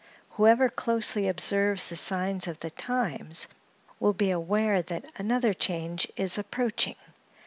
Whoever closely observes the signs of the times, will be aware that another change is approaching.